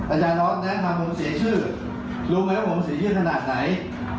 อาจารย์ร็อตแนะนำผมเสียชื่อรู้ไหมว่าผมเสียชื่อขนาดไหน